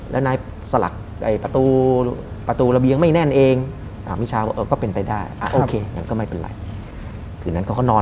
แล้วนายสลักประตูระเบียงไม่แน่นเอง